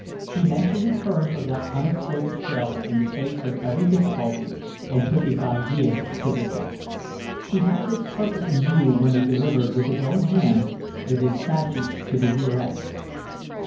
He meant to return for that unexploded shell in the face of every difficulty and put his ideas to the test. He had this purpose in view when he delivered with his own hands the dispatches to the rear admiral.